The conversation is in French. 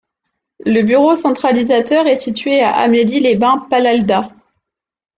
Le bureau centralisateur est situé à Amélie-les-Bains-Palalda.